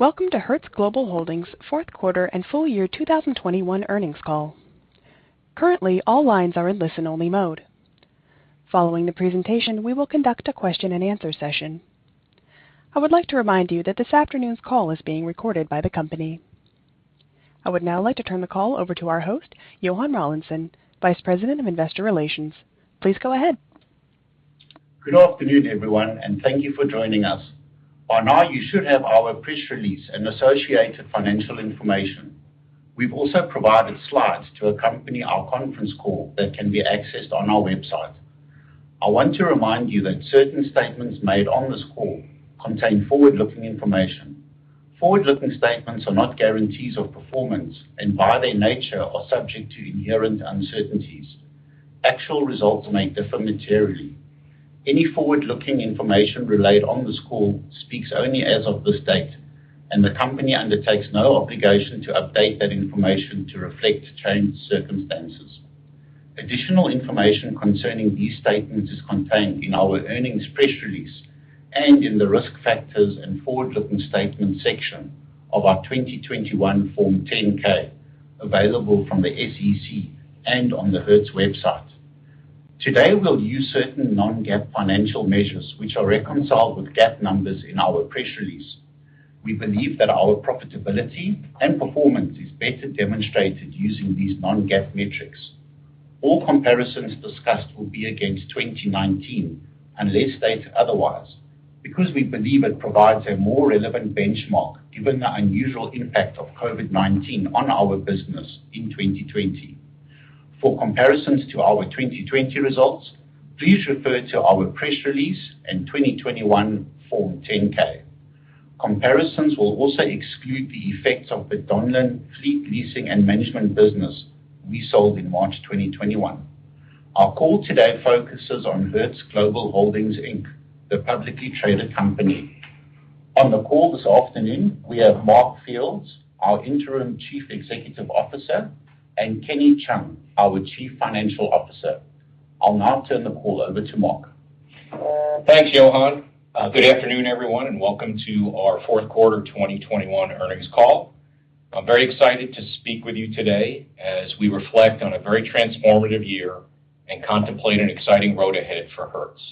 Welcome to Hertz Global Holdings fourth quarter and full year 2021 earnings call. Currently, all lines are in listen-only mode. Following the presentation, we will conduct a question-and-answer session. I would like to remind you that this afternoon's call is being recorded by the company. I would now like to turn the call over to our host, Johann Rawlinson, Vice President of Investor Relations. Please go ahead. Good afternoon, everyone, and thank you for joining us. By now, you should have our press release and associated financial information. We've also provided slides to accompany our conference call that can be accessed on our website. I want to remind you that certain statements made on this call contain forward-looking information. Forward-looking statements are not guarantees of performance and, by their nature, are subject to inherent uncertainties. Actual results may differ materially. Any forward-looking information relayed on this call speaks only as of this date, and the company undertakes no obligation to update that information to reflect changed circumstances. Additional information concerning these statements is contained in our earnings press release and in the Risk Factors and Forward-Looking Statements section of our 2021 Form 10-K, available from the SEC and on the Hertz website. Today, we'll use certain non-GAAP financial measures, which are reconciled with GAAP numbers in our press release. We believe that our profitability and performance is better demonstrated using these non-GAAP metrics. All comparisons discussed will be against 2019 unless stated otherwise because we believe it provides a more relevant benchmark given the unusual impact of COVID-19 on our business in 2020. For comparisons to our 2020 results, please refer to our press release and 2021 Form 10-K. Comparisons will also exclude the effects of the Donlen Fleet Leasing and Management business we sold in March 2021. Our call today focuses on Hertz Global Holdings, Inc., the publicly traded company. On the call this afternoon, we have Mark Fields, our Interim Chief Executive Officer, and Kenny Cheung, our Chief Financial Officer. I'll now turn the call over to Mark. Thanks, Johann. Good afternoon, everyone, and welcome to our fourth quarter 2021 earnings call. I'm very excited to speak with you today as we reflect on a very transformative year and contemplate an exciting road ahead for Hertz.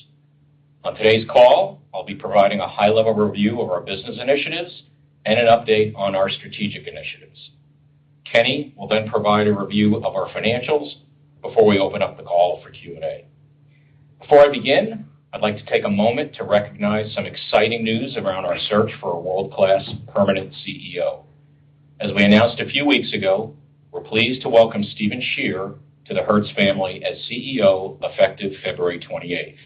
On today's call, I'll be providing a high-level review of our business initiatives and an update on our strategic initiatives. Kenny will then provide a review of our financials before we open up the call for Q&A. Before I begin, I'd like to take a moment to recognize some exciting news around our search for a world-class permanent CEO. As we announced a few weeks ago, we're pleased to welcome Stephen Scherr to the Hertz family as CEO, effective February 28.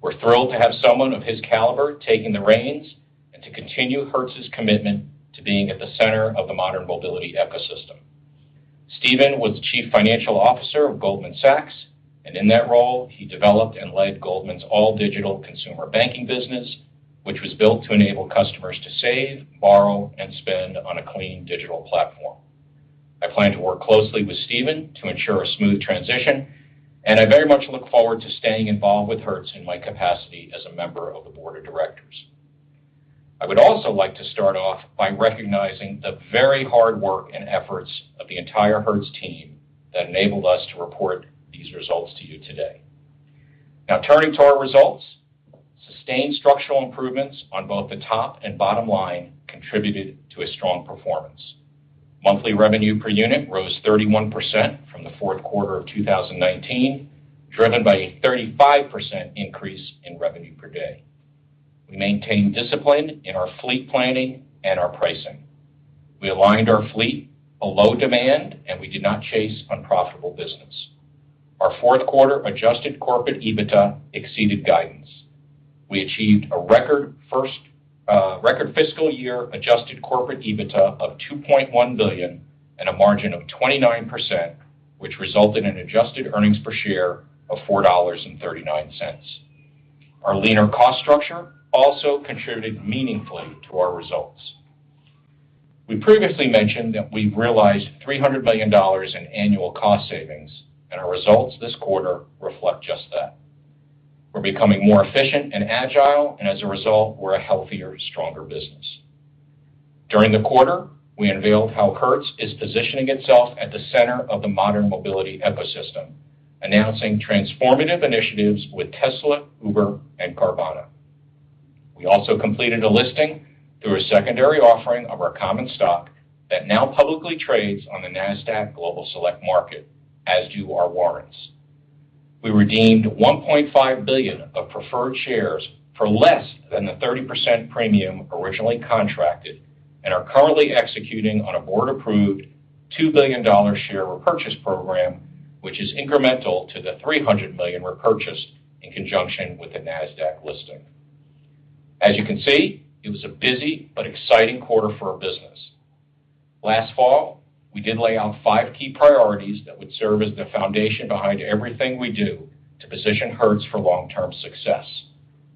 We're thrilled to have someone of his caliber taking the reins and to continue Hertz's commitment to being at the center of the modern mobility ecosystem. Stephen was chief financial officer of Goldman Sachs, and in that role, he developed and led Goldman's all-digital consumer banking business, which was built to enable customers to save, borrow, and spend on a clean digital platform. I plan to work closely with Stephen to ensure a smooth transition, and I very much look forward to staying involved with Hertz in my capacity as a member of the board of directors. I would also like to start off by recognizing the very hard work and efforts of the entire Hertz team that enabled us to report these results to you today. Now, turning to our results. Sustained structural improvements on both the top and bottom line contributed to a strong performance. Monthly revenue per unit rose 31% from the fourth quarter of 2019, driven by a 35% increase in revenue per day. We maintained discipline in our fleet planning and our pricing. We aligned our fleet below demand, and we did not chase unprofitable business. Our fourth quarter adjusted corporate EBITDA exceeded guidance. We achieved a record fiscal year adjusted corporate EBITDA of $2.1 billion and a margin of 29%, which resulted in adjusted earnings per share of $4.39. Our leaner cost structure also contributed meaningfully to our results. We previously mentioned that we realized $300 million in annual cost savings, and our results this quarter reflect just that. We're becoming more efficient and agile, and as a result, we're a healthier, stronger business. During the quarter, we unveiled how Hertz is positioning itself at the center of the modern mobility ecosystem, announcing transformative initiatives with Tesla, Uber, and Carvana. We also completed a listing through a secondary offering of our common stock that now publicly trades on the Nasdaq Global Select Market, as do our warrants. We redeemed $1.5 billion of preferred shares for less than the 30% premium originally contracted and are currently executing on a board-approved $2 billion share repurchase program, which is incremental to the $300 million repurchased in conjunction with the Nasdaq listing. As you can see, it was a busy but exciting quarter for our business. Last fall, we did lay out five key priorities that would serve as the foundation behind everything we do to position Hertz for long-term success.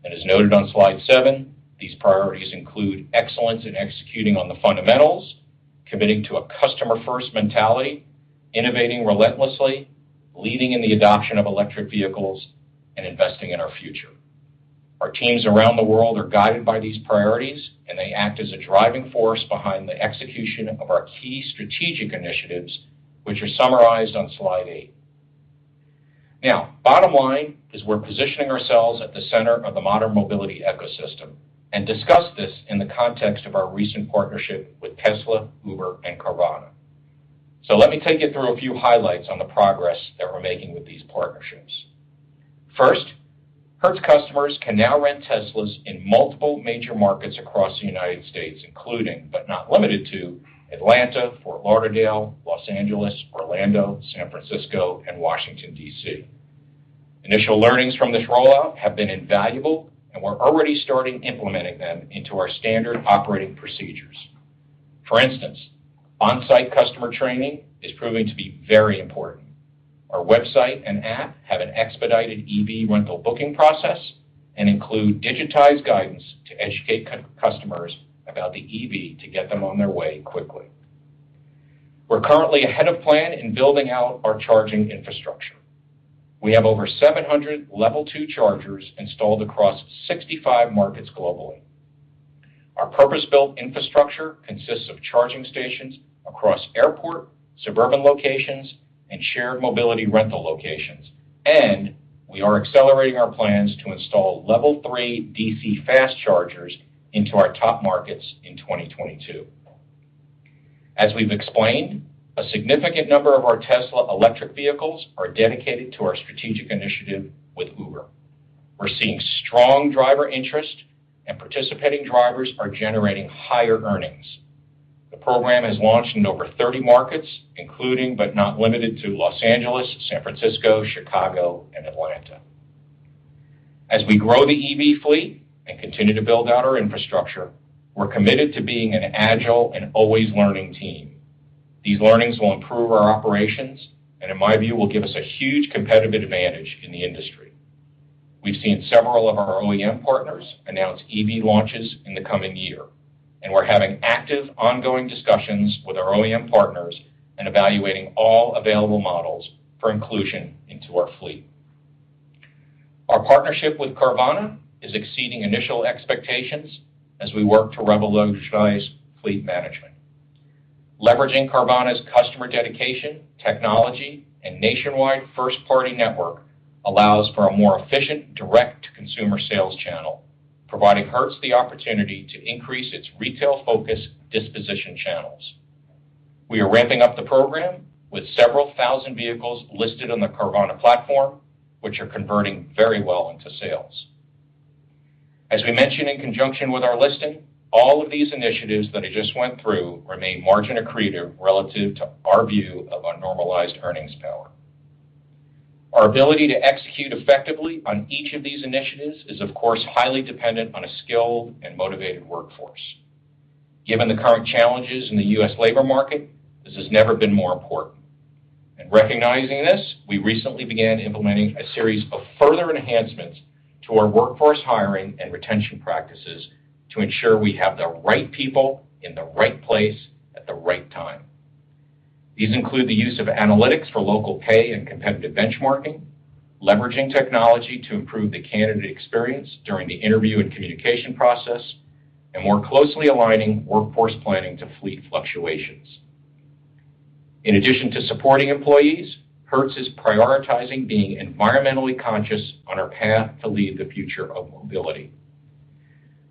As noted on slide seven, these priorities include excellence in executing on the fundamentals, committing to a customer-first mentality, innovating relentlessly, leading in the adoption of electric vehicles and investing in our future. Our teams around the world are guided by these priorities, and they act as a driving force behind the execution of our key strategic initiatives, which are summarized on slide eight. Now, bottom line is we're positioning ourselves at the center of the modern mobility ecosystem and discuss this in the context of our recent partnership with Tesla, Uber, and Carvana. Let me take you through a few highlights on the progress that we're making with these partnerships. First, Hertz customers can now rent Teslas in multiple major markets across the United States, including, but not limited to, Atlanta, Fort Lauderdale, Los Angeles, Orlando, San Francisco and Washington D.C. Initial learnings from this rollout have been invaluable, and we're already starting implementing them into our standard operating procedures. For instance, on-site customer training is proving to be very important. Our website and app have an expedited EV rental booking process and include digitized guidance to educate customers about the EV to get them on their way quickly. We're currently ahead of plan in building out our charging infrastructure. We have over 700 Level 2 chargers installed across 65 markets globally. Our purpose-built infrastructure consists of charging stations across airport, suburban locations, and shared mobility rental locations, and we are accelerating our plans to install Level 3 DC fast chargers into our top markets in 2022. As we've explained, a significant number of our Tesla electric vehicles are dedicated to our strategic initiative with Uber. We're seeing strong driver interest and participating drivers are generating higher earnings. The program has launched in over 30 markets, including, but not limited to, Los Angeles, San Francisco, Chicago, and Atlanta. As we grow the EV fleet and continue to build out our infrastructure, we're committed to being an agile and always learning team. These learnings will improve our operations and in my view, will give us a huge competitive advantage in the industry. We've seen several of our OEM partners announce EV launches in the coming year, and we're having active, ongoing discussions with our OEM partners and evaluating all available models for inclusion into our fleet. Our partnership with Carvana is exceeding initial expectations as we work to revolutionize fleet management. Leveraging Carvana's customer dedication, technology, and nationwide first-party network allows for a more efficient direct-to-consumer sales channel, providing Hertz the opportunity to increase its retail focus disposition channels. We are ramping up the program with several thousand vehicles listed on the Carvana platform, which are converting very well into sales. As we mentioned in conjunction with our listing, all of these initiatives that I just went through remain margin accretive relative to our view of our normalized earnings power. Our ability to execute effectively on each of these initiatives is of course highly dependent on a skilled and motivated workforce. Given the current challenges in the U.S. labor market, this has never been more important. Recognizing this, we recently began implementing a series of further enhancements to our workforce hiring and retention practices to ensure we have the right people in the right place at the right time. These include the use of analytics for local pay and competitive benchmarking, leveraging technology to improve the candidate experience during the interview and communication process, and more closely aligning workforce planning to fleet fluctuations. In addition to supporting employees, Hertz is prioritizing being environmentally conscious on our path to lead the future of mobility.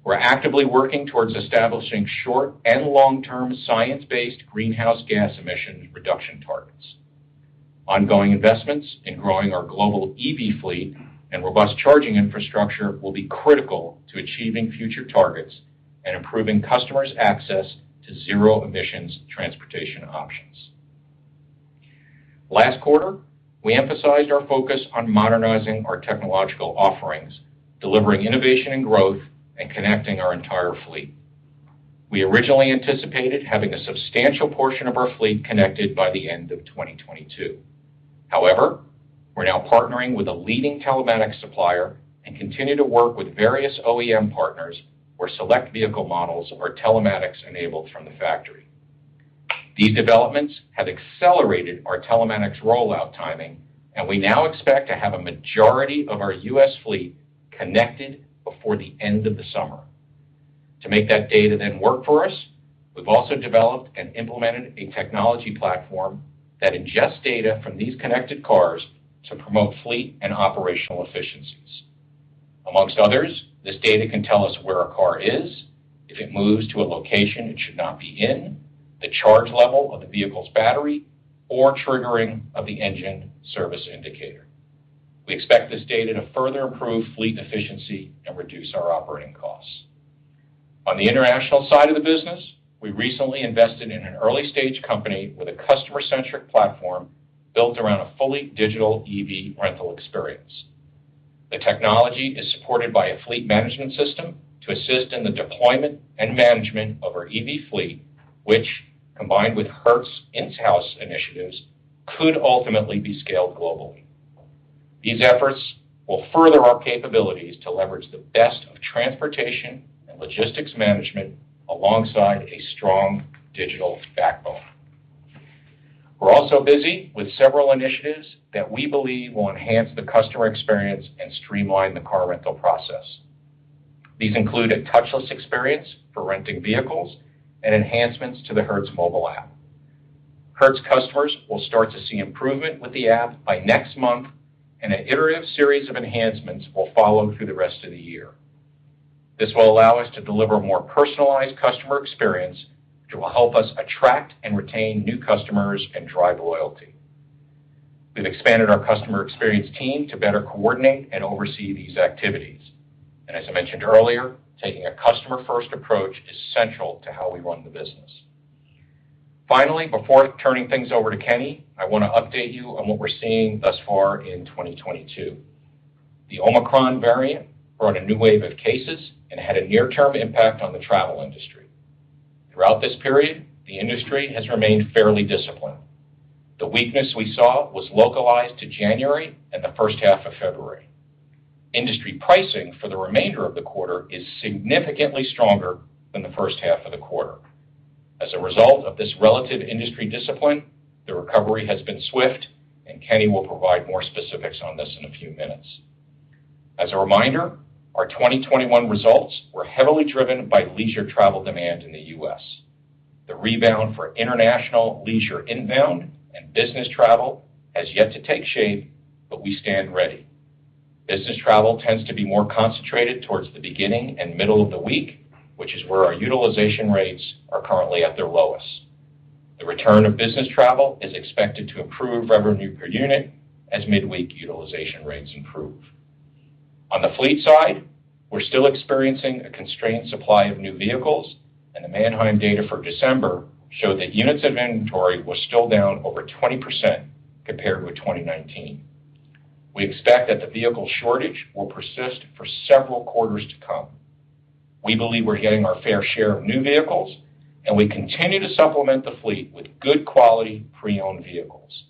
We're actively working towards establishing short and long-term science-based greenhouse gas emission reduction targets. Ongoing investments in growing our global EV fleet and robust charging infrastructure will be critical to achieving future targets and improving customers' access to zero emissions transportation options. Last quarter, we emphasized our focus on modernizing our technological offerings, delivering innovation and growth, and connecting our entire fleet. We originally anticipated having a substantial portion of our fleet connected by the end of 2022. However, we're now partnering with a leading telematics supplier and continue to work with various OEM partners where select vehicle models are telematics enabled from the factory. These developments have accelerated our telematics rollout timing, and we now expect to have a majority of our U.S. fleet connected before the end of the summer. To make that data then work for us, we've also developed and implemented a technology platform that ingests data from these connected cars to promote fleet and operational efficiencies. Among others, this data can tell us where a car is, if it moves to a location it should not be in, the charge level of the vehicle's battery, or triggering of the engine service indicator. We expect this data to further improve fleet efficiency and reduce our operating costs. On the international side of the business, we recently invested in an early-stage company with a customer-centric platform built around a fully digital EV rental experience. The technology is supported by a fleet management system to assist in the deployment and management of our EV fleet, which, combined with Hertz in-house initiatives, could ultimately be scaled globally. These efforts will further our capabilities to leverage the best of transportation and logistics management alongside a strong digital backbone. We're also busy with several initiatives that we believe will enhance the customer experience and streamline the car rental process. These include a touchless experience for renting vehicles and enhancements to the Hertz mobile app. Hertz customers will start to see improvement with the app by next month, and an iterative series of enhancements will follow through the rest of the year. This will allow us to deliver more personalized customer experience, which will help us attract and retain new customers and drive loyalty. We've expanded our customer experience team to better coordinate and oversee these activities. As I mentioned earlier, taking a customer-first approach is central to how we run the business. Finally, before turning things over to Kenny, I want to update you on what we're seeing thus far in 2022. The Omicron variant brought a new wave of cases and had a near-term impact on the travel industry. Throughout this period, the industry has remained fairly disciplined. The weakness we saw was localized to January and the first half of February. Industry pricing for the remainder of the quarter is significantly stronger than the first half of the quarter. As a result of this relative industry discipline, the recovery has been swift, and Kenny will provide more specifics on this in a few minutes. As a reminder, our 2021 results were heavily driven by leisure travel demand in the U.S. The rebound for international leisure inbound and business travel has yet to take shape, but we stand ready. Business travel tends to be more concentrated towards the beginning and middle of the week, which is where our utilization rates are currently at their lowest. The return of business travel is expected to improve revenue per unit as midweek utilization rates improve. On the fleet side, we're still experiencing a constrained supply of new vehicles, and the Manheim data for December showed that units of inventory were still down over 20% compared with 2019. We expect that the vehicle shortage will persist for several quarters to come. We believe we're getting our fair share of new vehicles, and we continue to supplement the fleet with good quality pre-owned vehicles.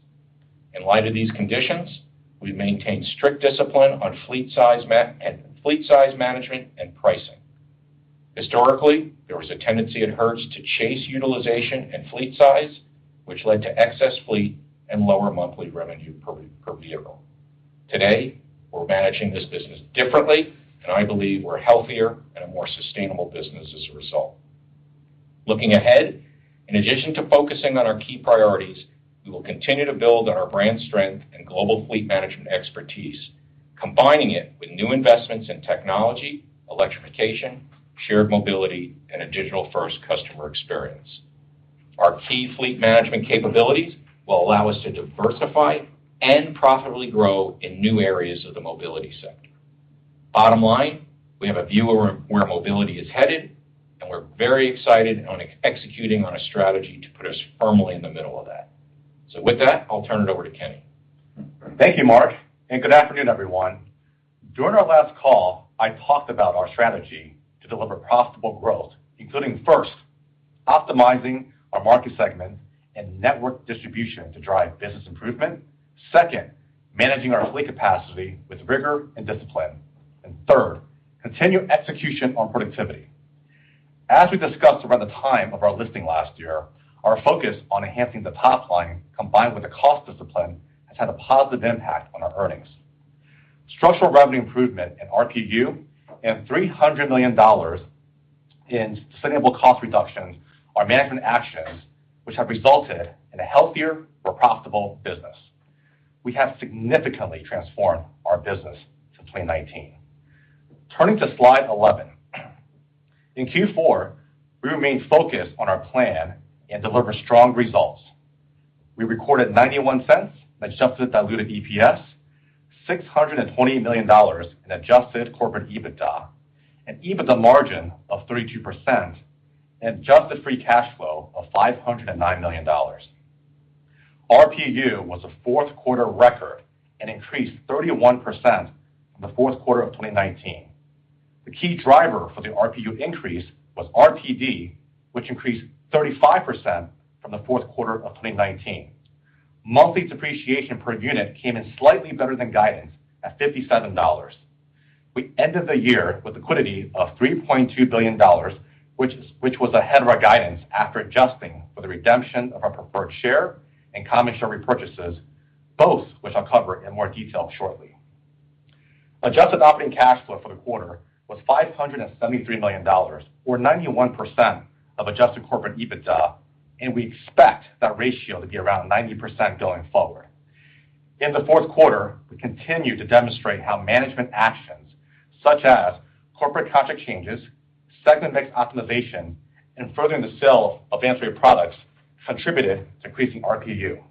In light of these conditions, we maintain strict discipline on fleet size management, and pricing. Historically, there was a tendency at Hertz to chase utilization and fleet size, which led to excess fleet and lower monthly revenue per vehicle. Today, we're managing this business differently, and I believe we're a healthier and a more sustainable business as a result. Looking ahead, in addition to focusing on our key priorities, we will continue to build on our brand strength and global fleet management expertise, combining it with new investments in technology, electrification, shared mobility, and a digital-first customer experience. Our key fleet management capabilities will allow us to diversify and profitably grow in new areas of the mobility sector. Bottom line, we have a view of where mobility is headed, and we're very excited on executing on a strategy to put us firmly in the middle of that. With that, I'll turn it over to Kenny. Thank you, Mark, and good afternoon, everyone. During our last call, I talked about our strategy to deliver profitable growth, including, first, optimizing our market segment and network distribution to drive business improvement. Second, managing our fleet capacity with rigor and discipline. Third, continued execution on productivity. As we discussed around the time of our listing last year, our focus on enhancing the top line combined with the cost discipline has had a positive impact on our earnings. Structural revenue improvement in RPU and $300 million in sustainable cost reductions are management actions which have resulted in a healthier, more profitable business. We have significantly transformed our business since 2019. Turning to slide 11. In Q4, we remained focused on our plan and delivered strong results. We recorded $0.91 adjusted diluted EPS, $620 million in adjusted corporate EBITDA, an EBITDA margin of 32% and adjusted free cash flow of $509 million. RPU was a fourth-quarter record and increased 31% from the fourth quarter of 2019. The key driver for the RPU increase was RPD, which increased 35% from the fourth quarter of 2019. Monthly depreciation per unit came in slightly better than guidance at $57. We ended the year with liquidity of $3.2 billion, which was ahead of our guidance after adjusting for the redemption of our preferred share and common share repurchases, both which I'll cover in more detail shortly. Adjusted operating cash flow for the quarter was $573 million or 91% of adjusted corporate EBITDA, and we expect that ratio to be around 90% going forward. In the fourth quarter, we continued to demonstrate how management actions such as corporate contract changes, segment mix optimization, and furthering the sale of ancillary products contributed to increasing RPU.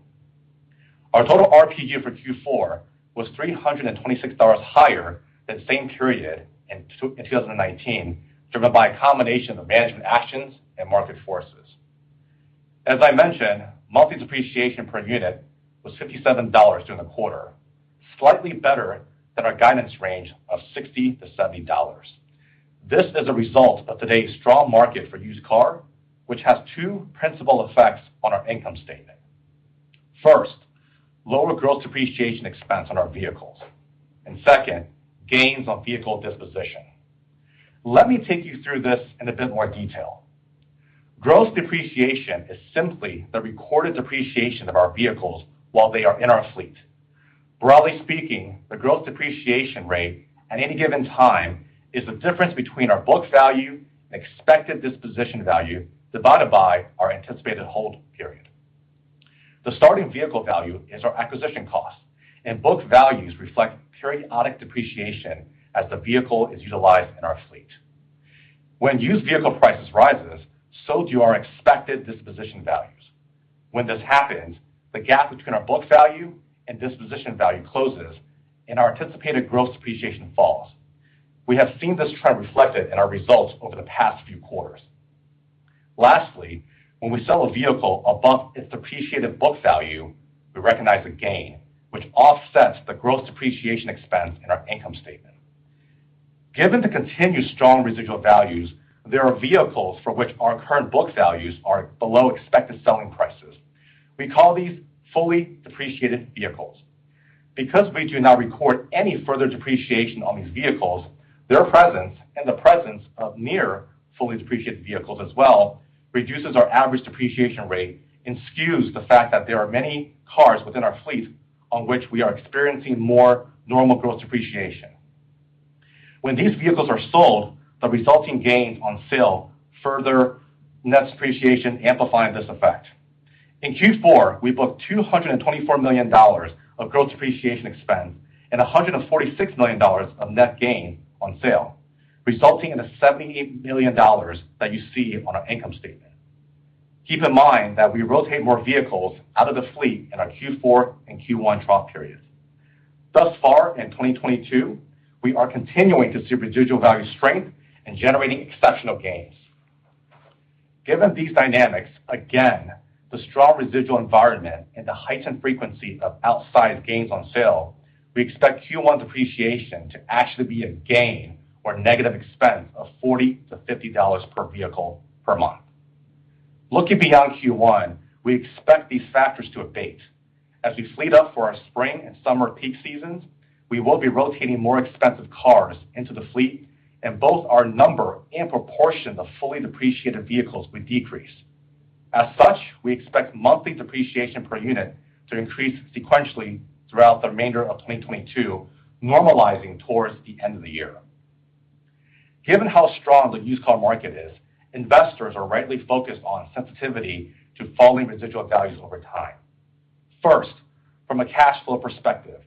Our total RPU for Q4 was $326 higher than the same period in 2019, driven by a combination of management actions and market forces. As I mentioned, monthly depreciation per unit was $57 during the quarter, slightly better than our guidance range of $60-$70. This is a result of today's strong market for used car, which has two principal effects on our income statement. First, lower gross depreciation expense on our vehicles, and second, gains on vehicle disposition. Let me take you through this in a bit more detail. Gross depreciation is simply the recorded depreciation of our vehicles while they are in our fleet. Broadly speaking, the gross depreciation rate at any given time is the difference between our book value and expected disposition value divided by our anticipated hold period. The starting vehicle value is our acquisition cost, and book values reflect periodic depreciation as the vehicle is utilized in our fleet. When used vehicle prices rise, so do our expected disposition values. When this happens, the gap between our book value and disposition value closes, and our anticipated gross depreciation falls. We have seen this trend reflected in our results over the past few quarters. Lastly, when we sell a vehicle above its depreciated book value, we recognize a gain, which offsets the gross depreciation expense in our income statement. Given the continued strong residual values, there are vehicles for which our current book values are below expected selling prices. We call these fully depreciated vehicles. Because we do not record any further depreciation on these vehicles, their presence and the presence of near fully depreciated vehicles as well reduces our average depreciation rate and skews the fact that there are many cars within our fleet on which we are experiencing more normal gross depreciation. When these vehicles are sold, the resulting gains on sale further net depreciation, amplifying this effect. In Q4, we booked $224 million of gross depreciation expense and $146 million of net gain on sale, resulting in the $70 million that you see on our income statement. Keep in mind that we rotate more vehicles out of the fleet in our Q4 and Q1 trough periods. Thus far in 2022, we are continuing to see residual value strength and generating exceptional gains. Given these dynamics, again, the strong residual environment and the heightened frequency of outsized gains on sale, we expect Q1 depreciation to actually be a gain or negative expense of $40-$50 per vehicle per month. Looking beyond Q1, we expect these factors to abate. As we fleet up for our spring and summer peak seasons, we will be rotating more expensive cars into the fleet, and both our number and proportion of fully depreciated vehicles will decrease. As such, we expect monthly depreciation per unit to increase sequentially throughout the remainder of 2022, normalizing towards the end of the year. Given how strong the used car market is, investors are rightly focused on sensitivity to falling residual values over time. First, from a cash flow perspective,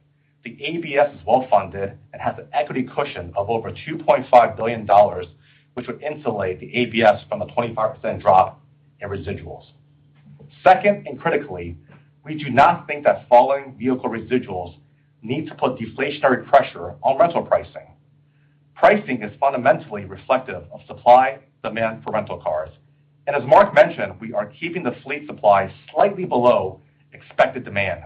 the ABS is well-funded and has an equity cushion of over $2.5 billion, which would insulate the ABS from a 25% drop in residuals. Second, and critically, we do not think that falling vehicle residuals need to put deflationary pressure on rental pricing. Pricing is fundamentally reflective of supply-demand for rental cars, and as Mark mentioned, we are keeping the fleet supply slightly below expected demand.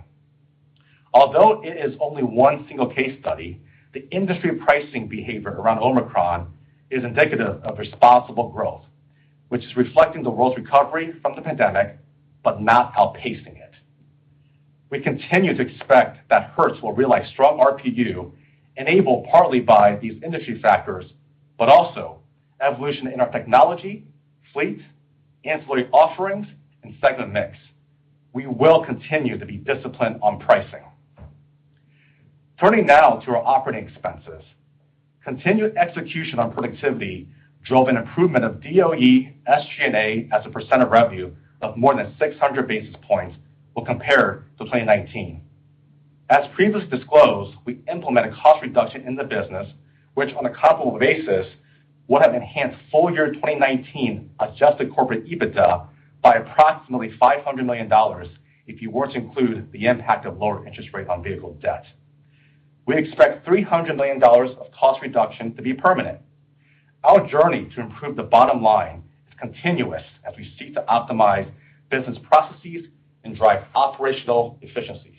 Although it is only one single case study, the industry pricing behavior around Omicron is indicative of responsible growth, which is reflecting the world's recovery from the pandemic, but not outpacing it. We continue to expect that Hertz will realize strong RPU enabled partly by these industry factors, but also evolution in our technology, fleet, ancillary offerings, and segment mix. We will continue to be disciplined on pricing. Turning now to our operating expenses. Continued execution on productivity drove an improvement of our SG&A as a percent of revenue of more than 600 basis points when compared to 2019. As previously disclosed, we implemented cost reduction in the business, which on a comparable basis would have enhanced full-year 2019 adjusted corporate EBITDA by approximately $500 million if you were to include the impact of lower interest rate on vehicle debt. We expect $300 million of cost reduction to be permanent. Our journey to improve the bottom line is continuous as we seek to optimize business processes and drive operational efficiencies.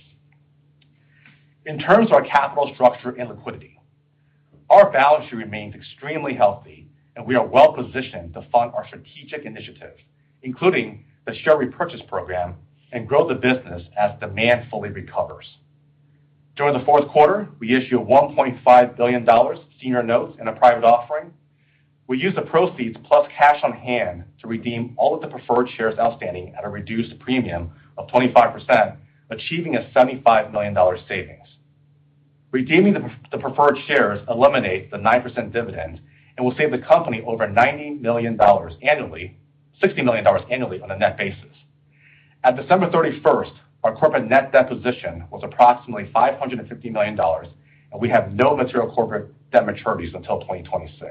In terms of our capital structure and liquidity, our balance sheet remains extremely healthy, and we are well-positioned to fund our strategic initiatives, including the share repurchase program, and grow the business as demand fully recovers. During the fourth quarter, we issued $1.5 billion senior notes in a private offering. We used the proceeds plus cash on hand to redeem all of the preferred shares outstanding at a reduced premium of 25%, achieving a $75 million savings. Redeeming the preferred shares eliminates the 9% dividend and will save the company over $90 million annually, $60 million annually on a net basis. At December 31st, our corporate net debt position was approximately $550 million, and we have no material corporate debt maturities until 2026.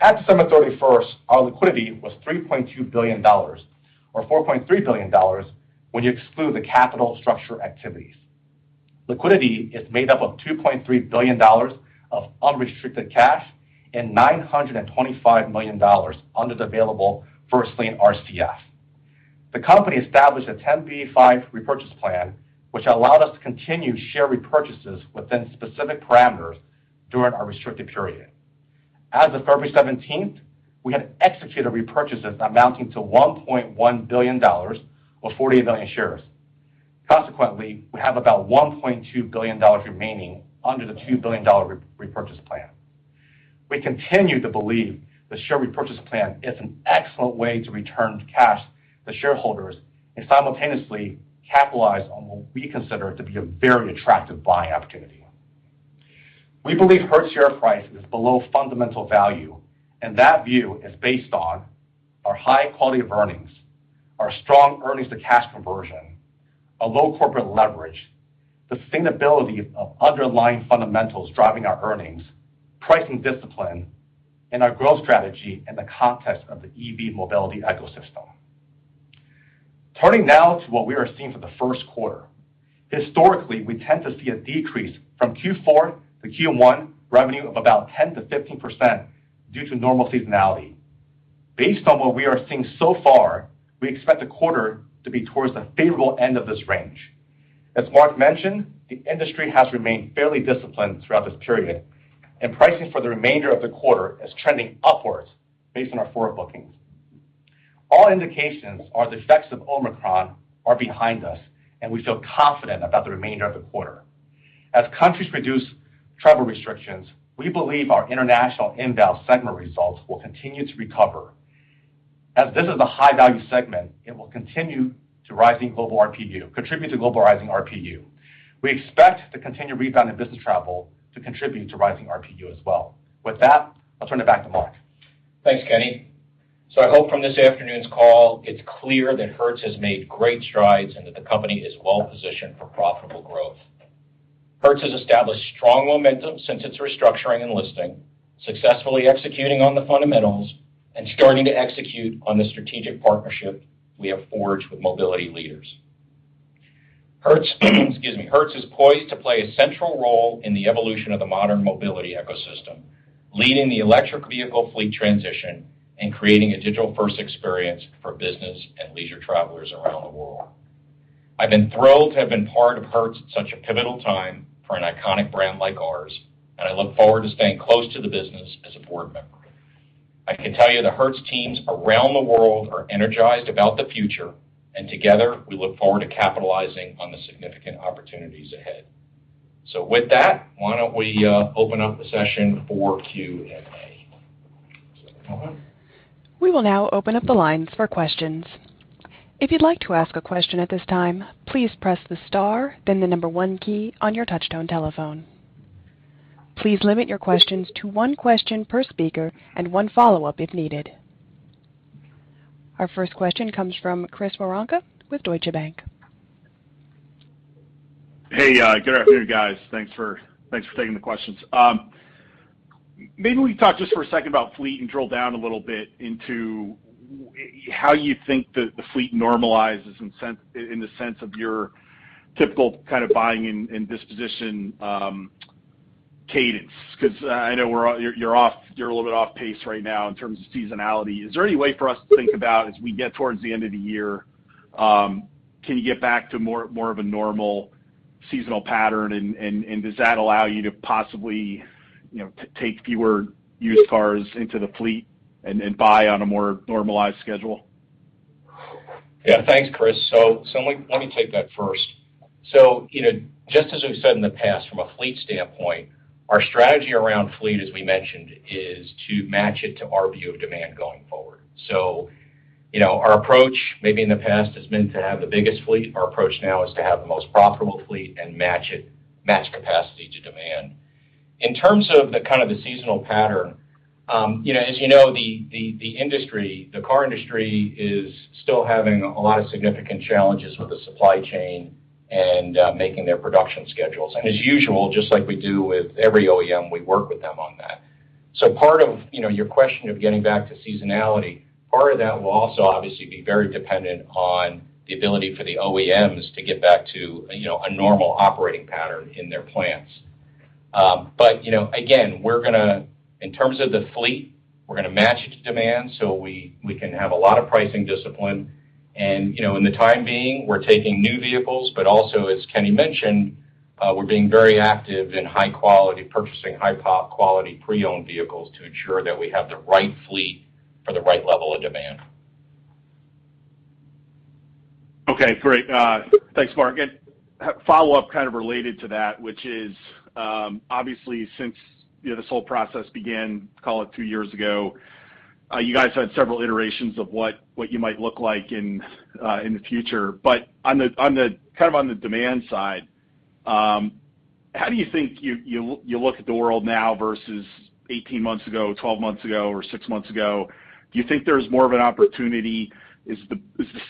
At December 31st, our liquidity was $3.2 billion or $4.3 billion when you exclude the capital structure activities. Liquidity is made up of $2.3 billion of unrestricted cash and $925 million under the available first lien RCF. The company established a 10b5-1 repurchase plan, which allowed us to continue share repurchases within specific parameters during our restricted period. As of February seventeenth, we had executed repurchases amounting to $1.1 billion or 48 million shares. Consequently, we have about $1.2 billion remaining under the $2 billion repurchase plan. We continue to believe the share repurchase plan is an excellent way to return cash to shareholders and simultaneously capitalize on what we consider to be a very attractive buying opportunity. We believe Hertz share price is below fundamental value, and that view is based on our high quality of earnings, our strong earnings to cash conversion, a low corporate leverage, the sustainability of underlying fundamentals driving our earnings, pricing discipline, and our growth strategy in the context of the EV mobility ecosystem. Turning now to what we are seeing for the first quarter. Historically, we tend to see a decrease from Q4 to Q1 revenue of about 10%-15% due to normal seasonality. Based on what we are seeing so far, we expect the quarter to be towards the favorable end of this range. As Mark mentioned, the industry has remained fairly disciplined throughout this period, and pricing for the remainder of the quarter is trending upwards based on our forward bookings. All indications are the effects of Omicron are behind us, and we feel confident about the remainder of the quarter. As countries reduce travel restrictions, we believe our international inbound segment results will continue to recover. As this is a high-value segment, it will continue to contribute to global rising RPU. We expect the continued rebound in business travel to contribute to rising RPU as well. With that, I'll turn it back to Mark. Thanks, Kenny. I hope from this afternoon's call it's clear that Hertz has made great strides and that the company is well positioned for profitable growth. Hertz has established strong momentum since its restructuring and listing, successfully executing on the fundamentals and starting to execute on the strategic partnership we have forged with mobility leaders. Hertz is poised to play a central role in the evolution of the modern mobility ecosystem, leading the electric vehicle fleet transition and creating a digital-first experience for business and leisure travelers around the world. I've been thrilled to have been part of Hertz at such a pivotal time for an iconic brand like ours, and I look forward to staying close to the business as a board member. I can tell you the Hertz teams around the world are energized about the future, and together, we look forward to capitalizing on the significant opportunities ahead. With that, why don't we open up the session for Q&A? We will now open up the lines for questions. If you'd like to ask a question at this time, please press the star, then the number one key on your touchtone telephone. Please limit your questions to one question per speaker and one follow-up if needed. Our first question comes from Chris Woronka with Deutsche Bank. Hey, good afternoon, guys. Thanks for taking the questions. Maybe we talk just for a second about fleet and drill down a little bit into how you think the fleet normalizes in the sense of your typical kind of buying and disposition cadence. Because I know you're a little bit off pace right now in terms of seasonality. Is there any way for us to think about, as we get towards the end of the year, can you get back to more of a normal seasonal pattern and does that allow you to possibly, you know, take fewer used cars into the fleet and buy on a more normalized schedule? Yeah. Thanks, Chris. Let me take that first. You know, just as we've said in the past from a fleet standpoint, our strategy around fleet, as we mentioned, is to match it to our view of demand going forward. You know, our approach maybe in the past has been to have the biggest fleet. Our approach now is to have the most profitable fleet and match it, match capacity to demand. In terms of the kind of seasonal pattern, you know, as you know, the car industry is still having a lot of significant challenges with the supply chain and making their production schedules. As usual, just like we do with every OEM, we work with them on that. Part of, you know, your question of getting back to seasonality, part of that will also obviously be very dependent on the ability for the OEMs to get back to, you know, a normal operating pattern in their plans. You know, again, in terms of the fleet, we're going to match it to demand, so we can have a lot of pricing discipline. You know, in the meantime, we're taking new vehicles, but also, as Kenny mentioned, we're being very active in high quality, purchasing high quality pre-owned vehicles to ensure that we have the right fleet for the right level of demand. Okay, great. Thanks, Mark. Follow-up kind of related to that, which is, obviously, since, you know, this whole process began, call it two years ago, you guys had several iterations of what you might look like in the future. But on the kind of on the demand side, how do you think you look at the world now versus 18 months ago, 12 months ago, orsix months ago? Do you think there's more of an opportunity? Is the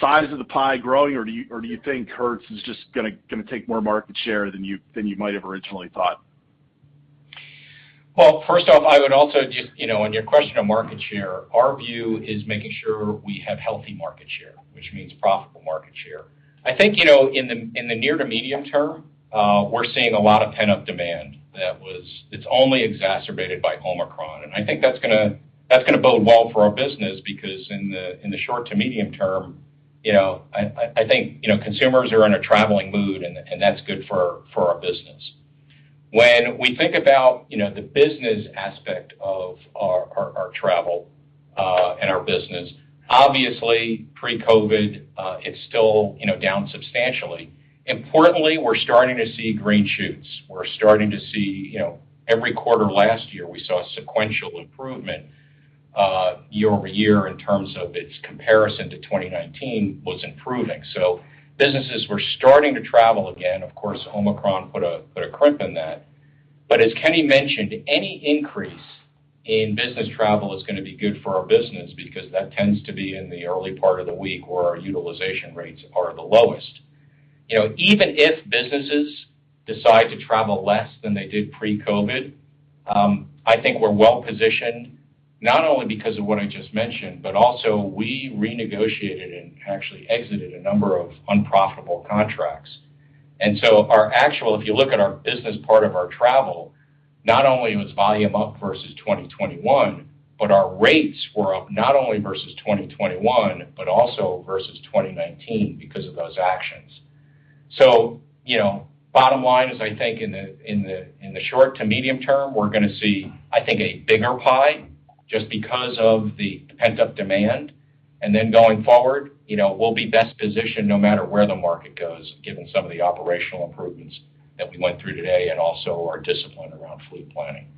size of the pie growing, or do you think Hertz is just going to take more market share than you might have originally thought? Well, first off, I would also just, you know, on your question on market share, our view is making sure we have healthy market share, which means profitable market share. I think, you know, in the near to medium-term, we're seeing a lot of pent-up demand, which is only exacerbated by Omicron, and I think that's going to bode well for our business because in the short to medium-term, you know, I think, you know, consumers are in a traveling mood, and that's good for our business. When we think about, you know, the business aspect of our travel and our business, obviously pre-COVID, it's still, you know, down substantially. Importantly, we're starting to see green shoots. We're starting to see, you know, every quarter last year, we saw sequential improvement, year-over-year in terms of its comparison to 2019 was improving. Businesses were starting to travel again. Of course, Omicron put a crimp in that. As Kenny mentioned, any increase in business travel is going to be good for our business because that tends to be in the early part of the week where our utilization rates are the lowest. You know, even if businesses decide to travel less than they did pre-COVID, I think we're well-positioned not only because of what I just mentioned, but also we renegotiated and actually exited a number of unprofitable contracts. If you look at our business part of our travel, not only was volume up versus 2021, but our rates were up not only versus 2021 but also versus 2019 because of those actions. You know, bottom line is I think in the short to medium-term, we're going to see, I think, a bigger pie just because of the pent-up demand. Going forward, you know, we'll be best positioned no matter where the market goes, given some of the operational improvements that we went through today and also our discipline around fleet planning.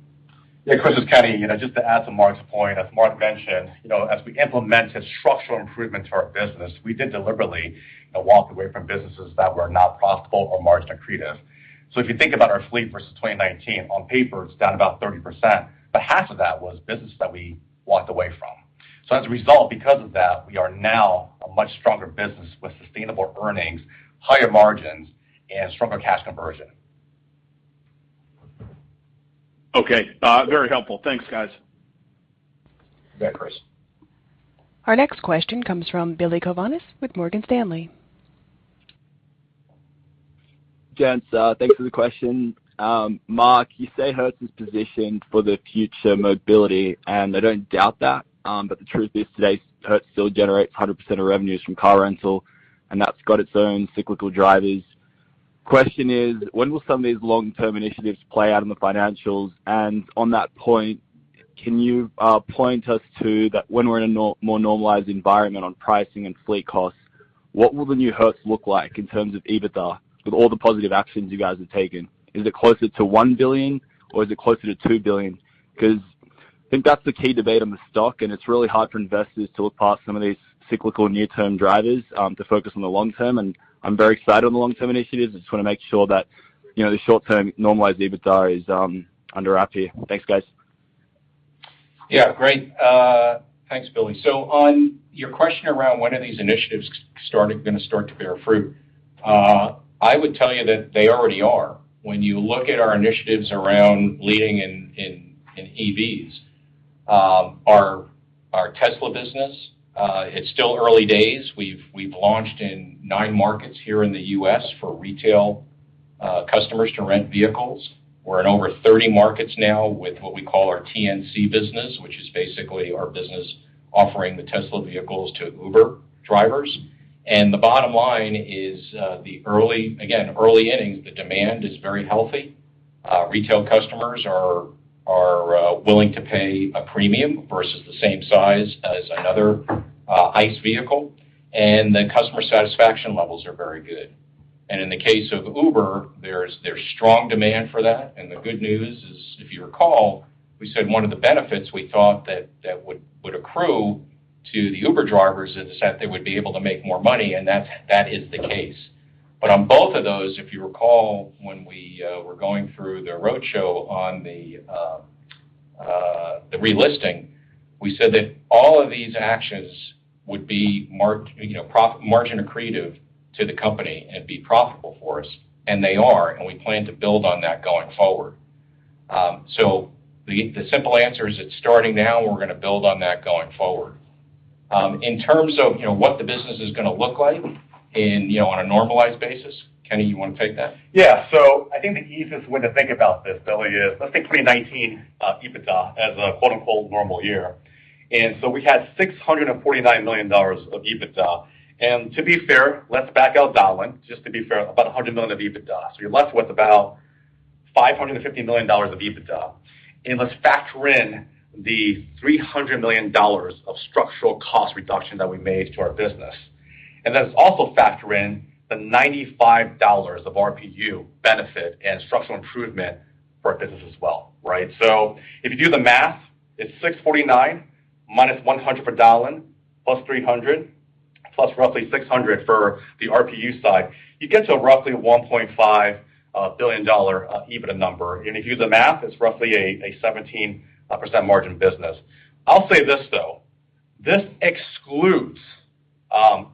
Yeah, Chris, it's Kenny. You know, just to add to Mark's point, as Mark mentioned, you know, as we implemented structural improvements to our business, we did deliberately walk away from businesses that were not profitable or margin accretive. If you think about our fleet versus 2019, on paper, it's down about 30%, but half of that was business that we walked away from. As a result, because of that, we are now a much stronger business with sustainable earnings, higher margins, and stronger cash conversion. Okay. Very helpful. Thanks, guys. You bet, Chris. Our next question comes from Billy Kovanis with Morgan Stanley. Gents, thanks for the question. Mark, you say Hertz is positioned for the future mobility, and I don't doubt that. The truth is today, Hertz still generates 100% of revenues from car rental, and that's got its own cyclical drivers. Question is, when will some of these long-term initiatives play out in the financials? On that point, can you point us to that when we're in a more normalized environment on pricing and fleet costs, what will the new Hertz look like in terms of EBITDA with all the positive actions you guys have taken? Is it closer to $1 billion or is it closer to $2 billion? Because I think that's the key debate on the stock, and it's really hard for investors to look past some of these cyclical near-term drivers, to focus on the long-term. I'm very excited on the long-term initiatives. I just want to make sure that, you know, the short-term normalized EBITDA is under wraps here. Thanks, guys. Yeah. Great. Thanks, Billy. On your question around when are these initiatives going to start to bear fruit, I would tell you that they already are. When you look at our initiatives around leading in EVs, our Tesla business, it's still early days. We've launched in nine markets here in the U.S. for retail customers to rent vehicles. We're in over 30 markets now with what we call our TNC business, which is basically our business offering the Tesla vehicles to Uber drivers. The bottom line is, early innings, the demand is very healthy. Retail customers are willing to pay a premium versus the same size as another ICE vehicle, and the customer satisfaction levels are very good. In the case of Uber, there's strong demand for that. The good news is, if you recall, we said one of the benefits we thought that would accrue to the Uber drivers is that they would be able to make more money, and that is the case. On both of those, if you recall, when we were going through the roadshow on the relisting, we said that all of these actions would be margin accretive to the company and be profitable for us, and they are, and we plan to build on that going forward. The simple answer is it's starting now, and we're going to build on that going forward. In terms of, you know, what the business is going to look like in, you know, on a normalized basis, Kenny, you want to take that? Yeah, I think the easiest way to think about this, Billy, is let's take 2019 EBITDA as a "normal year." We had $649 million of EBITDA. To be fair, let's back out Donlen, just to be fair, about $100 million of EBITDA. You're left with about $550 million of EBITDA. Let's factor in the $300 million of structural cost reduction that we made to our business. Let's also factor in the $95 of RPU benefit and structural improvement for our business as well, right? If you do the math, it's $649 million minus $100 million for Donlen, plus $300 million, plus roughly $600 million for the RPU side. You get to a roughly $1.5 billion EBITDA number. If you do the math, it's roughly a 17% margin business. I'll say this, though. This excludes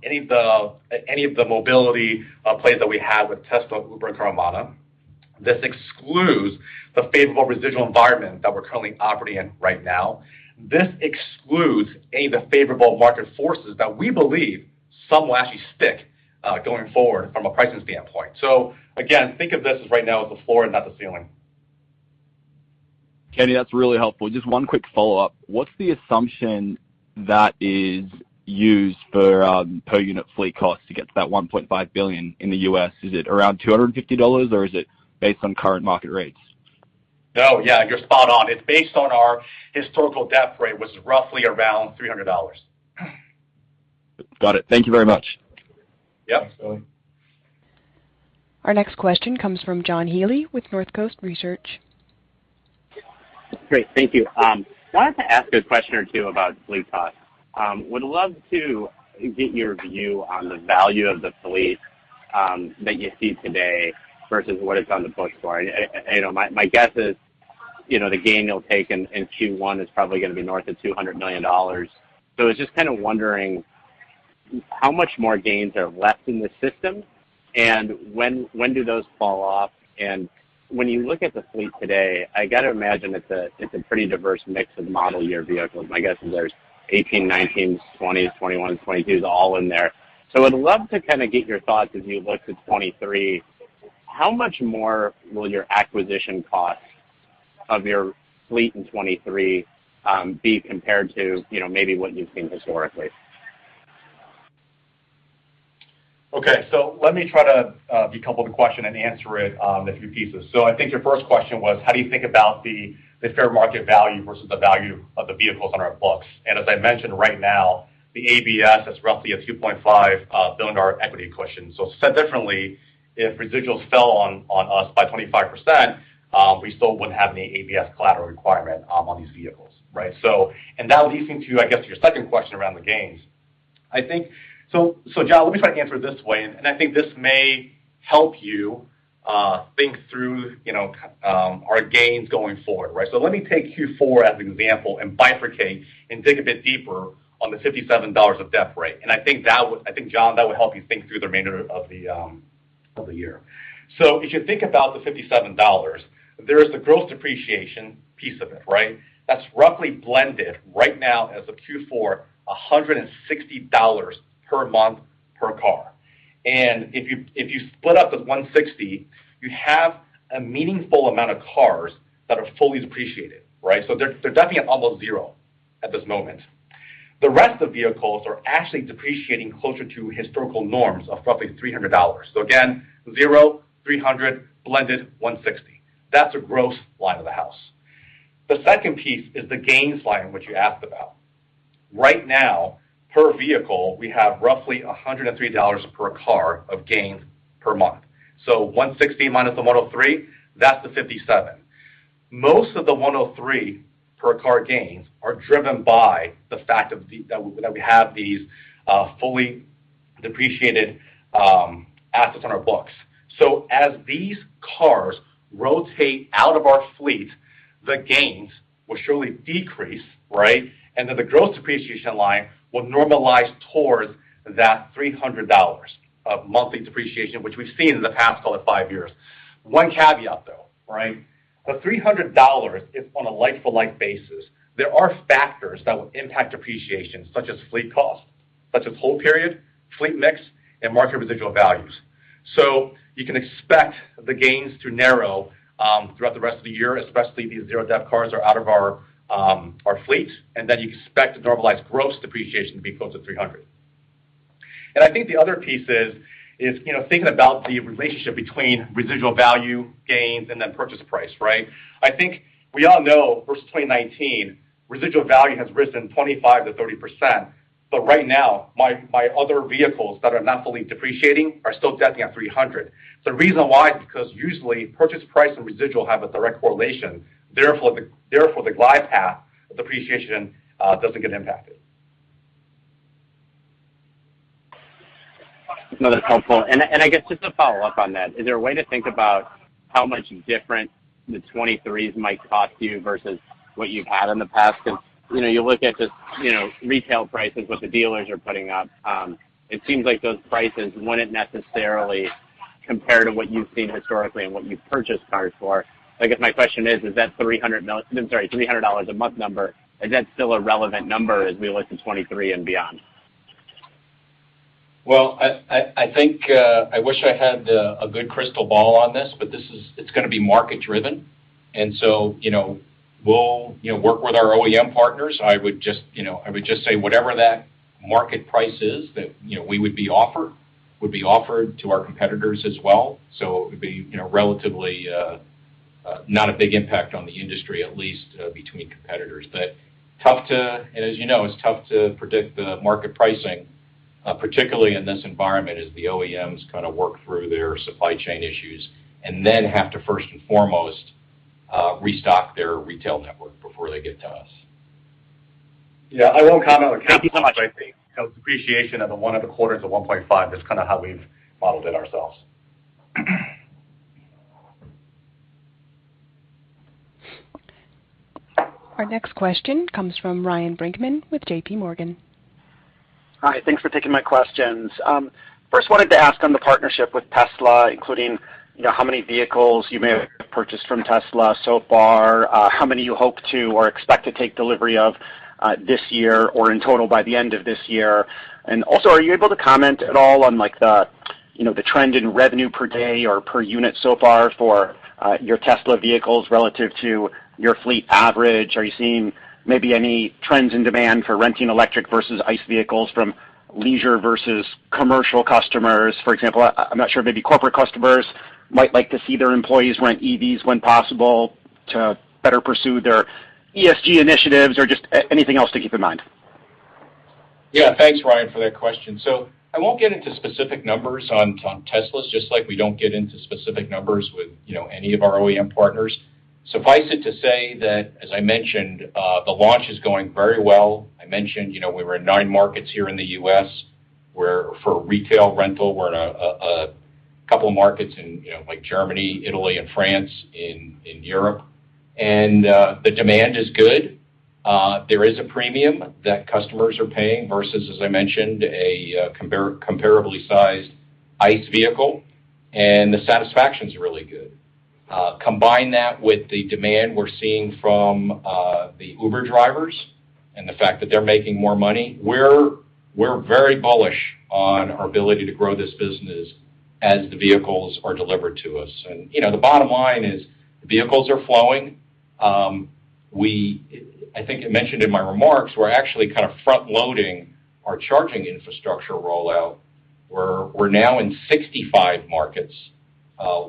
any of the mobility plays that we have with Tesla, Uber, and Carvana. This excludes the favorable residual environment that we're currently operating in right now. This excludes any of the favorable market forces that we believe some will actually stick going forward from a pricing standpoint. Again, think of this as right now as the floor and not the ceiling. Kenny, that's really helpful. Just one quick follow-up. What's the assumption that is used for per unit fleet cost to get to that $1.5 billion in the U.S.? Is it around $250, or is it based on current market rates? No, yeah. You're spot on. It's based on our historical depreciation rate was roughly around $300. Got it. Thank you very much. Yep. Our next question comes from John Healy with Northcoast Research. Great. Thank you. Wanted to ask a question or two about fleet cost. Would love to get your view on the value of the fleet that you see today versus what it's on the books for. You know, my guess is, you know, the gain you'll take in Q1 is probably going to be north of $200 million. So I was just kind of wondering how much more gains are left in the system and when do those fall off? When you look at the fleet today, I got to imagine it's a pretty diverse mix of model year vehicles. My guess is there's 2018s, 2019s, 2020, 2021, 2022s all in there. So I'd love to kinda get your thoughts as you look to 2023. How much more will your acquisition cost of your fleet in 2023 be compared to, you know, maybe what you've seen historically? Okay. Let me try to decouple the question and answer it in a few pieces. I think your first question was how do you think about the fair market value versus the value of the vehicles on our books? As I mentioned right now, the ABS has roughly a $2.5 billion equity cushion. Said differently, if residuals fell on us by 25%, we still wouldn't have any ABS collateral requirement on these vehicles, right? That would lead me to, I guess, your second question around the gains. John, let me try to answer it this way, and I think this may help you think through, you know, our gains going forward, right? Let me take Q4 as an example and bifurcate and dig a bit deeper on the $57 of depreciation rate. I think, John, that would help you think through the remainder of the year. If you think about the $57, there is the gross depreciation piece of it, right? That's roughly blended right now as of Q4, $160 per month per car. If you split up the $160, you have a meaningful amount of cars that are fully depreciated, right? They're definitely at almost zero at this moment. The rest of the vehicles are actually depreciating closer to historical norms of roughly $300. Again, 0, $300, blended, $160. That's a gross line of the house. The second piece is the gains line, which you asked about. Right now, per vehicle, we have roughly $103 per car of gains per month. $160 minus the $103, that's the $57. Most of the $103 per car gains are driven by the fact that we have these fully depreciated assets on our books. As these cars rotate out of our fleet, the gains will surely decrease, right? Then the gross depreciation line will normalize towards that $300 of monthly depreciation, which we've seen in the past, call it five years. One caveat, though, right? The $300 is on a like-for-like basis. There are factors that will impact depreciation, such as fleet cost, such as hold period, fleet mix, and market residual values. You can expect the gains to narrow throughout the rest of the year, especially these zero debt cars are out of our fleet, and then you expect the normalized gross depreciation to be close to $300. I think the other piece is you know thinking about the relationship between residual value gains and then purchase price, right? I think we all know versus 2019, residual value has risen 25%-30%. Right now, my other vehicles that are not fully depreciating are still depreciating at $300. The reason why is because usually purchase price and residual have a direct correlation, therefore the glide path of depreciation doesn't get impacted. No, that's helpful. I guess just to follow up on that, is there a way to think about how much different the 2023s might cost you versus what you've had in the past? Because, you know, you look at just, you know, retail prices, what the dealers are putting up, it seems like those prices wouldn't necessarily compare to what you've seen historically and what you've purchased cars for. I guess my question is that $300 a month number, is that still a relevant number as we look to 2023 and beyond? Well, I think I wish I had a good crystal ball on this, but this is. It's going to be market-driven. You know, we'll work with our OEM partners. I would just say whatever that market price is that you know we would be offered would be offered to our competitors as well. It would be you know relatively not a big impact on the industry, at least between competitors. As you know, it's tough to predict the market pricing particularly in this environment as the OEMs kind of work through their supply chain issues and then have to first and foremost restock their retail network before they get to us. Yeah. I won't comment on the capital. I think the depreciation of the 1% of the quarters of 1.5% is kind of how we've modeled it ourselves. Our next question comes from Ryan Brinkman with JPMorgan. Hi. Thanks for taking my questions. First wanted to ask on the partnership with Tesla, including, you know, how many vehicles you may have purchased from Tesla so far, how many you hope to or expect to take delivery of, this year or in total by the end of this year. And also, are you able to comment at all on, like, the, you know, trend in revenue per day or per unit so far for your Tesla vehicles relative to your fleet average. Are you seeing maybe any trends in demand for renting electric versus ICE vehicles from leisure versus commercial customers? For example, I'm not sure, maybe corporate customers might like to see their employees rent EVs when possible to better pursue their ESG initiatives or just anything else to keep in mind. Yeah. Thanks, Ryan, for that question. So I won't get into specific numbers on Teslas, just like we don't get into specific numbers with, you know, any of our OEM partners. Suffice it to say that, as I mentioned, the launch is going very well. I mentioned, you know, we were in nine markets here in the U.S. where for retail rental, we're in a couple markets in, you know, like Germany, Italy and France in Europe. The demand is good. There is a premium that customers are paying versus, as I mentioned, a comparably sized ICE vehicle, and the satisfaction is really good. Combine that with the demand we're seeing from the Uber drivers and the fact that they're making more money, we're very bullish on our ability to grow this business as the vehicles are delivered to us. You know, the bottom line is the vehicles are flowing. I think I mentioned in my remarks we're actually kind of front-loading our charging infrastructure rollout, where we're now in 65 markets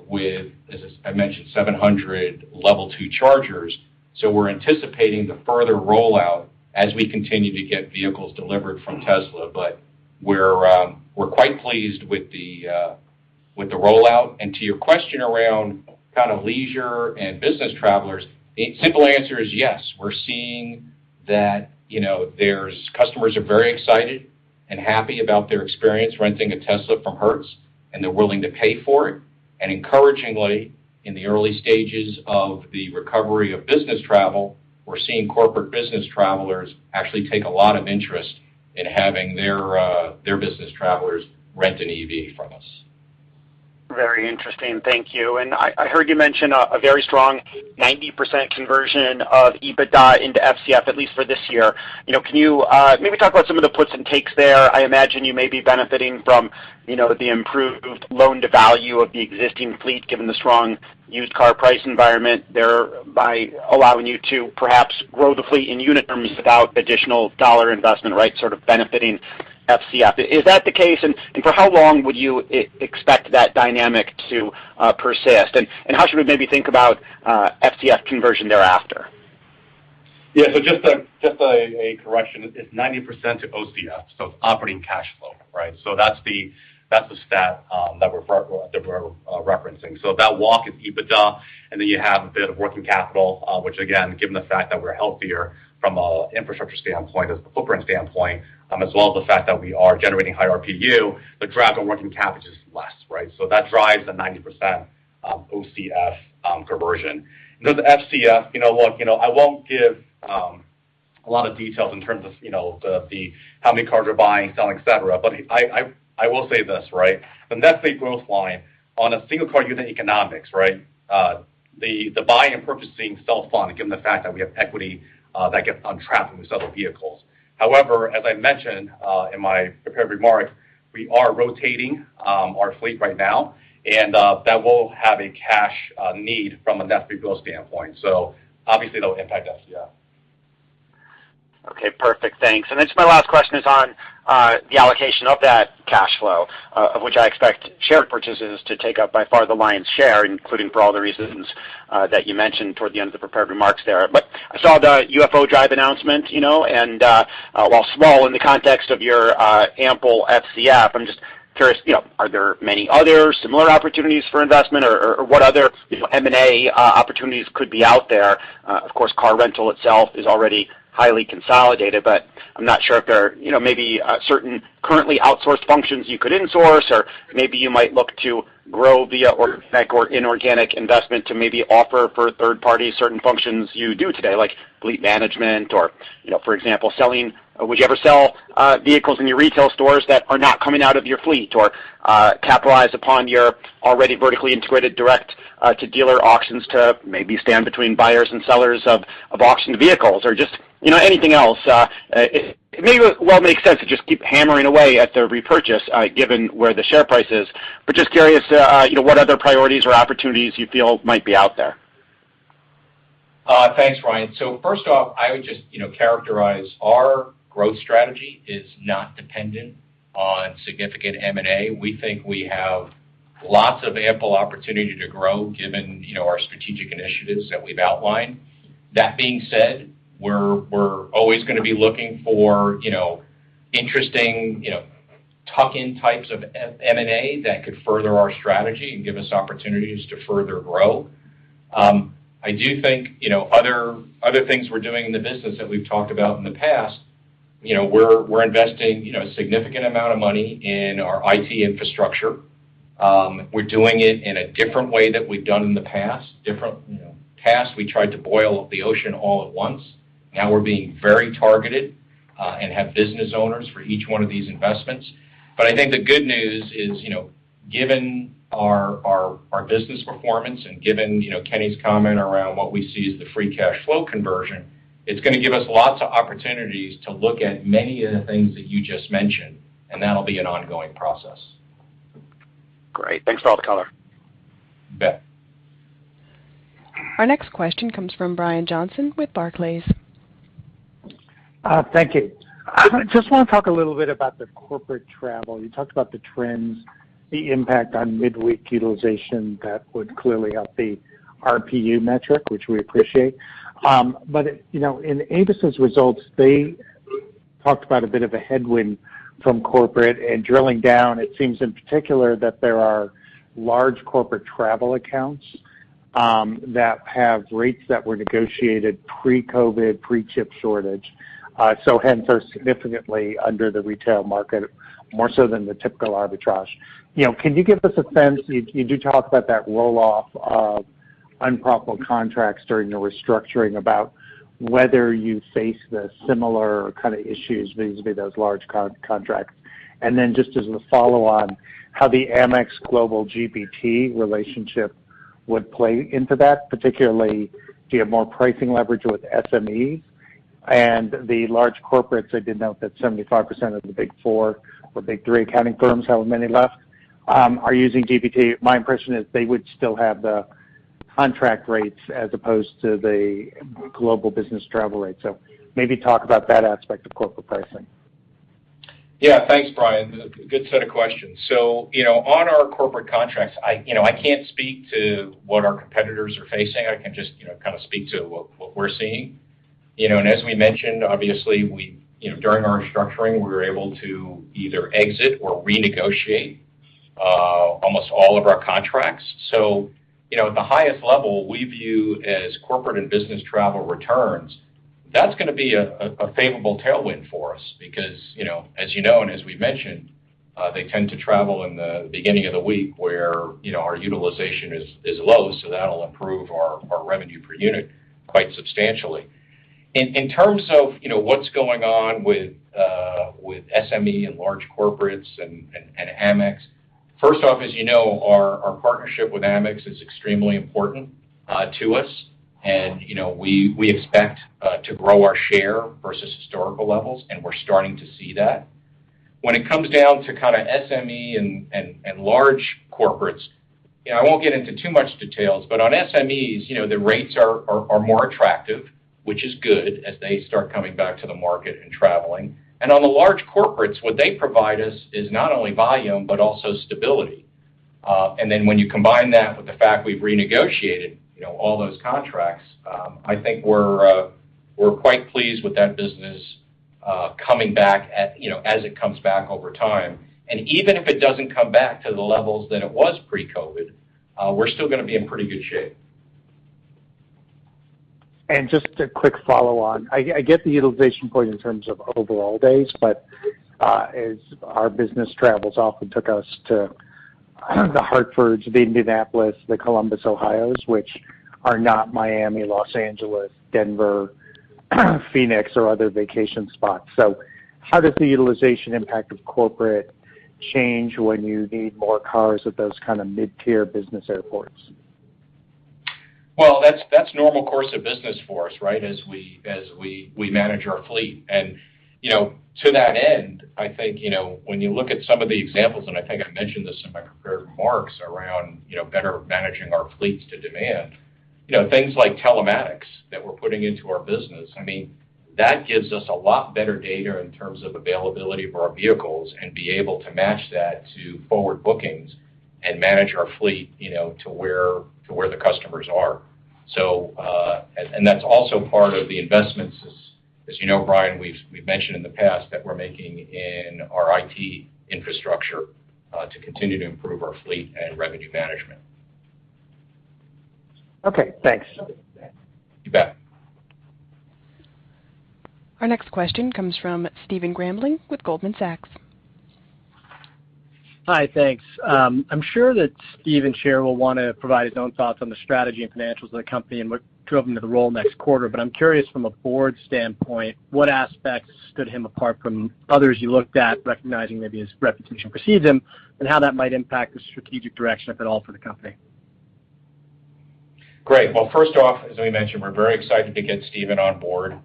with, as I mentioned, 700 Level 2 chargers. We're anticipating the further rollout as we continue to get vehicles delivered from Tesla. We're quite pleased with the rollout. To your question around kind of leisure and business travelers, the simple answer is yes. We're seeing that, you know, there's customers are very excited and happy about their experience renting a Tesla from Hertz, and they're willing to pay for it. Encouragingly, in the early stages of the recovery of business travel, we're seeing corporate business travelers actually take a lot of interest in having their business travelers rent an EV from us. Very interesting. Thank you. I heard you mention a very strong 90% conversion of EBITDA into FCF, at least for this year. You know, can you maybe talk about some of the puts and takes there? I imagine you may be benefiting from, you know, the improved loan-to-value of the existing fleet, given the strong used car price environment there by allowing you to perhaps grow the fleet in unit terms without additional dollar investment, right? Sort of benefiting FCF. Is that the case? For how long would you expect that dynamic to persist? How should we maybe think about FCF conversion thereafter? Yeah. Just a correction. It's 90% to OCF, so operating cash flow, right? That's the stat that we're referencing. That walk is EBITDA, and then you have a bit of working capital, which again, given the fact that we're healthier from an infrastructure standpoint, as a footprint standpoint, as well as the fact that we are generating higher RPU, the drag on working capital is just less, right? That drives the 90% OCF conversion. Then the FCF, you know, look, I won't give a lot of details in terms of the how many cars we're buying, selling, etc. But I will say this, right? The net capex growth line on a single car unit economics, right? The buying and purchasing self-funds, given the fact that we have equity that gets untrapped when we sell the vehicles. However, as I mentioned in my prepared remarks, we are rotating our fleet right now, and that will have a cash need from a net CapEx growth standpoint. Obviously that will impact FCF. Okay. Perfect. Thanks. Just my last question is on the allocation of that cash flow, of which I expect share purchases to take up by far the lion's share, including for all the reasons that you mentioned toward the end of the prepared remarks there. I saw the UFODRIVE announcement, you know, and while small in the context of your ample FCF, I'm just curious, you know, are there many other similar opportunities for investment or what other, you know, M&A opportunities could be out there? Of course, car rental itself is already highly consolidated, but I'm not sure if there are, you know, maybe, certain currently outsourced functions you could insource or maybe you might look to grow via organic or inorganic investment to maybe offer for third-party certain functions you do today, like fleet management or, you know, for example, selling. Would you ever sell vehicles in your retail stores that are not coming out of your fleet or capitalize upon your already vertically integrated direct to dealer auctions to maybe stand between buyers and sellers of auction vehicles or just, you know, anything else? It may well make sense to just keep hammering away at the repurchase, given where the share price is. Just curious, you know, what other priorities or opportunities you feel might be out there. Thanks, Ryan. First off, I would just, you know, characterize our growth strategy as not dependent on significant M&A. We think we have lots of ample opportunity to grow given, you know, our strategic initiatives that we've outlined. That being said, we're always going to be looking for, you know, interesting, you know, tuck-in types of M&A that could further our strategy and give us opportunities to further grow. I do think, you know, other things we're doing in the business that we've talked about in the past, you know, we're investing, you know, a significant amount of money in our IT infrastructure. We're doing it in a different way than we've done in the past. In the past, we tried to boil the ocean all at once. Now we're being very targeted and have business owners for each one of these investments. I think the good news is, you know, given our business performance and given, you know, Kenny's comment around what we see as the free cash flow conversion. It's going to give us lots of opportunities to look at many of the things that you just mentioned, and that'll be an ongoing process. Great. Thanks for all the color. You bet. Our next question comes from Brian Johnson with Barclays. Thank you. I just want to talk a little bit about the corporate travel. You talked about the trends, the impact on midweek utilization that would clearly help the RPU metric, which we appreciate. You know, in Avis's results, they talked about a bit of a headwind from corporate and drilling down, it seems in particular that there are large corporate travel accounts that have rates that were negotiated pre-COVID, pre-chip shortage, so hence are significantly under the retail market, more so than the typical arbitrage. You know, can you give us a sense. You do talk about that roll-off of unprofitable contracts during the restructuring about whether you face the similar kind of issues with those large contracts. Just as a follow-on, how the Amex Global GBT relationship would play into that, particularly do you have more pricing leverage with SME and the large corporates? I did note that 75% of the Big Four or Big Three accounting firms, however many left, are using GBT. My impression is they would still have the contract rates as opposed to the global business travel rates. Maybe talk about that aspect of corporate pricing. Yeah. Thanks, Brian. Good set of questions. You know, on our corporate contracts, I can't speak to what our competitors are facing. I can just kind of speak to what we're seeing. You know, as we mentioned, obviously, we were able to either exit or renegotiate almost all of our contracts. You know, at the highest level, we view as corporate and business travel returns, that's going to be a favorable tailwind for us because, you know, as you know, and as we've mentioned, they tend to travel in the beginning of the week where, you know, our utilization is low, so that'll improve our revenue per unit quite substantially. In terms of, you know, what's going on with SME and large corporates and Amex, first off, as you know, our partnership with Amex is extremely important to us. You know, we expect to grow our share versus historical levels, and we're starting to see that. When it comes down to kinda SME and large corporates, you know, I won't get into too much details, but on SMEs, you know, the rates are more attractive, which is good as they start coming back to the market and traveling. On the large corporates, what they provide us is not only volume, but also stability. When you combine that with the fact we've renegotiated, you know, all those contracts, I think we're quite pleased with that business coming back at, you know, as it comes back over time. Even if it doesn't come back to the levels that it was pre-COVID, we're still going to be in pretty good shape. Just a quick follow-on. I get the utilization point in terms of overall days, but as our business travels often took us to the Hartfords, the Indianapolis, the Columbus, Ohios, which are not Miami, Los Angeles, Denver, Phoenix or other vacation spots. How does the utilization impact of corporate change when you need more cars at those kind of mid-tier business airports? Well, that's normal course of business for us, right? As we manage our fleet. You know, to that end, I think, you know, when you look at some of the examples, and I think I mentioned this in my prepared remarks around, you know, better managing our fleets to demand, you know, things like telematics that we're putting into our business. I mean, that gives us a lot better data in terms of availability for our vehicles and be able to match that to forward bookings and manage our fleet, you know, to where the customers are. That's also part of the investments, as you know, Brian, we've mentioned in the past that we're making in our IT infrastructure to continue to improve our fleet and revenue management. Okay, thanks. You bet. Our next question comes from Stephen Grambling with Goldman Sachs. Hi, thanks. I'm sure that Stephen Scherr will want to provide his own thoughts on the strategy and financials of the company and what drove him to the role next quarter, but I'm curious from a board standpoint, what aspects stood him apart from others you looked at recognizing maybe his reputation precedes him and how that might impact the strategic direction, if at all, for the company? Great. Well, first off, as we mentioned, we're very excited to get Stephen on board.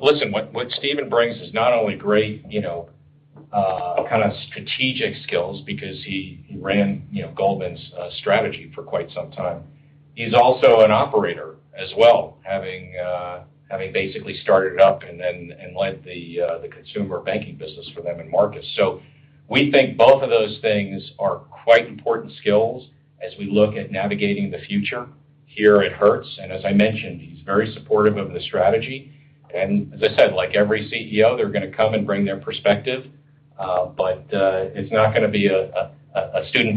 Listen, what Stephen brings is not only great, you know, kind of strategic skills because he ran, you know, Goldman's strategy for quite some time. He's also an operator as well, having basically started up and then led the consumer banking business for them in markets. So we think both of those things are quite important skills as we look at navigating the future here at Hertz. As I mentioned, he's very supportive of the strategy. As I said, like every CEO, they're going to come and bring their perspective, but it's not going to be a sea change.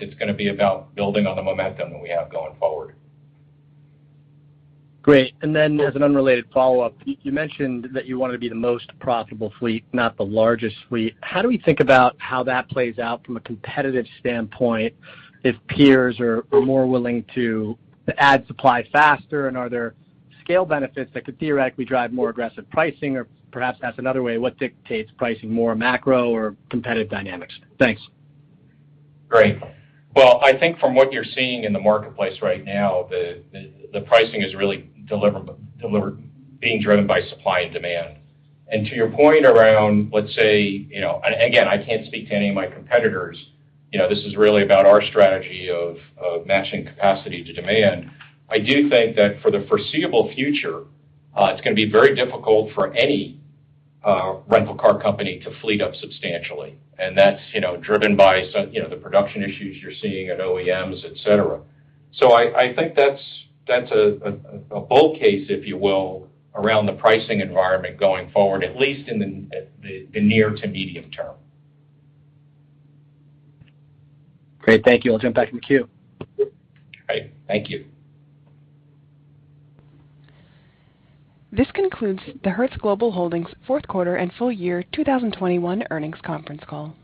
It's going to be about building on the momentum that we have going forward. Great. As an unrelated follow-up, you mentioned that you wanted to be the most profitable fleet, not the largest fleet. How do we think about how that plays out from a competitive standpoint if peers are more willing to add supply faster? Are there scale benefits that could theoretically drive more aggressive pricing? Perhaps asked another way, what dictates pricing more macro or competitive dynamics? Thanks. Great. Well, I think from what you're seeing in the marketplace right now, the pricing is really being driven by supply and demand. To your point around, let's say, you know, and again, I can't speak to any of my competitors, you know. This is really about our strategy of matching capacity to demand. I do think that for the foreseeable future, it's going to be very difficult for any rental car company to fleet up substantially, and that's, you know, driven by some, you know, the production issues you're seeing at OEMs, et cetera. I think that's a bull case, if you will, around the pricing environment going forward, at least in the near to medium-term. Great. Thank you. I'll jump back in the queue. Great. Thank you. This concludes the Hertz Global Holdings fourth quarter and full year 2021 earnings conference call.